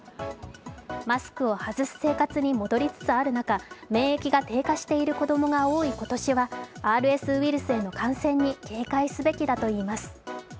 マスクを外す生活に戻りつつある中、免疫が低下している子供が多い今年はＲＳウイルスへの感染に警戒すべきだといいます。